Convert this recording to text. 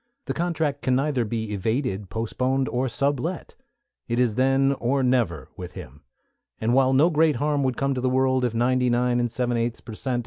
The contract can neither be evaded, postponed, nor sublet. It is then or never with him, and while no great harm would come to the world if ninety nine and seven eighths per cent.